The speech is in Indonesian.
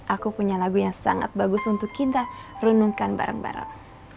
aku punya lagu yang sangat bagus untuk kita renungkan bareng bareng